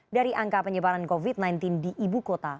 dari angka penyebaran covid sembilan belas di ibu kota